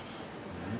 うん？